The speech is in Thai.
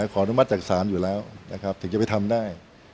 ขออนุมัติจากสารอยู่แล้วถึงจะไปทำได้